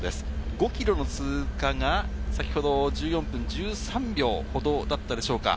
５ｋｍの通過が先ほど１４分１３秒ほどだったでしょうか。